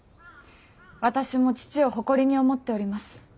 私も父を誇りに思っております。